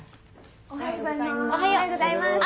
おはようございます。